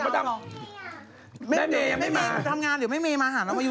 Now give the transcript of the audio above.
แม่เมย์ยังไม่มา